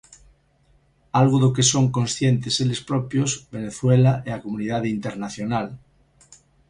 Algo do que son conscientes eles propios, Venezuela e a comunidade internacional.